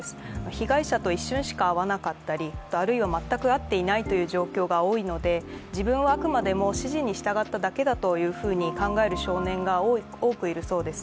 被害者と一瞬しか会わなかったりあるいは全く会っていないという状況が多いので自分はあくまでも指示に従っただけだと考える少年が多くいるそうです。